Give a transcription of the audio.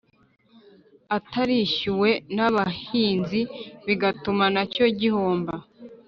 atarishyuwe n’abahinzi, bigatuma nacyo gihomba